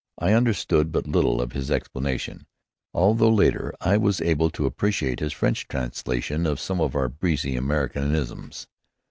I understood but little of his explanation, although later I was able to appreciate his French translation of some of our breezy Americanisms.